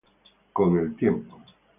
Con el tiempo.